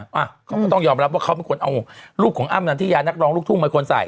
เขาก็ต้องยอมรับว่าเขาไม่ควรเอาลูกของอ้ำนันทิยานักรองลูกทุ่งไม่ควรใส่